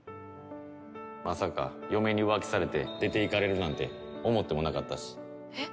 まさか嫁に浮気されて出ていかれるなんて思ってもなかったしえっ？